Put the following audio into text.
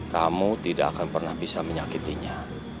kamu tidak akan pernah bisa menyakitinya